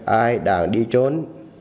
ai đang đi trốn